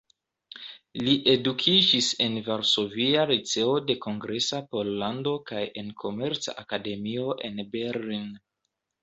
Li edukiĝis en Varsovia Liceo de Kongresa Pollando kaj en Komerca Akademio en Berlin.